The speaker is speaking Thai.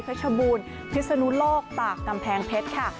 ชบูรณ์พิศนุโลกตากกำแพงเพชรค่ะ